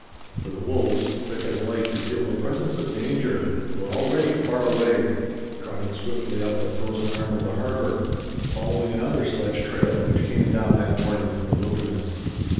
For the wolves, quick as light to feel the presence of danger, were already far away, trotting swiftly up the frozen arm of the harbor, following another sledge trail which came down that morning from the wilderness.